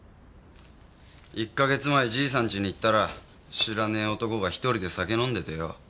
１か月前じいさんちに行ったら知らねえ男が１人で酒飲んでてよ。